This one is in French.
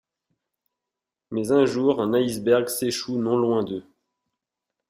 Mais un jour un iceberg s'échoue non loin d'eux.